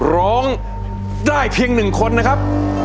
ร้องได้เพียง๑คนนะครับ